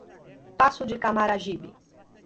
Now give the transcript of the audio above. Passo de Camaragibe